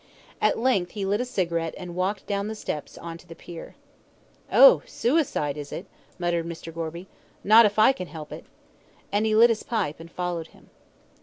At length he lit a cigarette and walked down the steps on to the pier. "Oh, suicide, is it?" muttered Mr. Gorby. "Not if I can help it." And he lit his pipe and followed him.